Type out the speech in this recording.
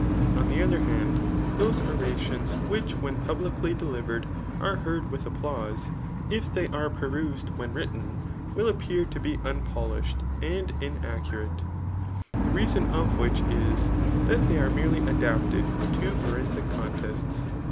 On the other hand, those orations which when publicly delivered are heard with applause, if they are perused when'written, will ap pear to be unpolished and inaccurate ; the reason of which is, that they are [merely] adapted to forensic contests.